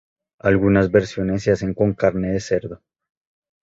Algunas versiones se hacen con carne de cerdo.